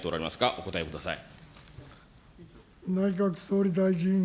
お答えください。